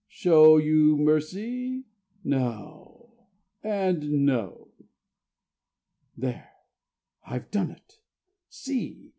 Show you mercy? No! ... and no! ... There! I've done it. See!